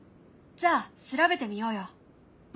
じゃあ調べてみようよ。